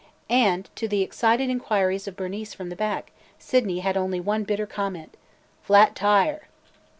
And, to the excited inquiries of Bernice from the back, Sydney had only one bitter comment: "Flat tire!"